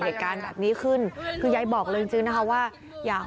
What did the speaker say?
เหตุการณ์แบบนี้ขึ้นคือยายบอกเลยจริงจริงนะคะว่าอย่า